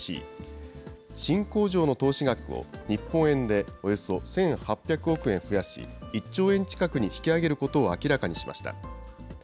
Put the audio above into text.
新工場の投資額を日本円でおよそ１８００億円増やし、１兆円近くに引き上げることを明らかにしました。